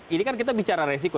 ini kan kita bicara resiko